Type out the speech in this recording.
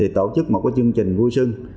tổ chức một chương trình vui sưng